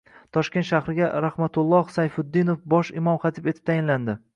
Toshkent shahriga Rahmatulloh Sayfuddinov bosh imom-xatib etib tayinlandi